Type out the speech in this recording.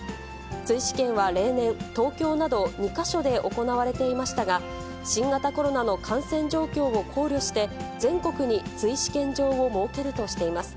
追試験は例年、東京など２か所で行われていましたが、新型コロナの感染状況を考慮して、全国に追試験場を設けるとしています。